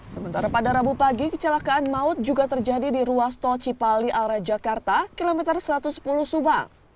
sementara pada rabu pagi kecelakaan maut juga terjadi di ruas tol cipali arah jakarta kilometer satu ratus sepuluh subang